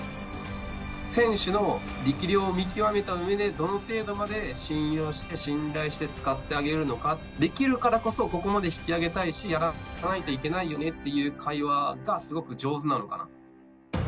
選手の力量を見極めたうえで、どの程度まで信用して、信頼して使ってあげるのか、できるからこそここまで引き上げたいし、やらさないといけないよねっていう会話がすごく上手なのかな。